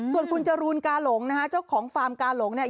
ส่วนคุณจรูนกาหลงนะฮะเจ้าของฟาร์มกาหลงเนี่ย